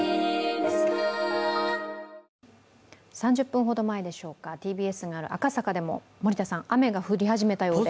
３０分ほど前でしょうか、ＴＢＳのある赤坂でも雨が降り始めたようで。